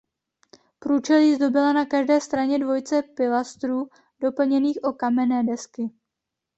Průčelí zdobila na každé straně dvojice pilastrů doplněných o kamenné desky.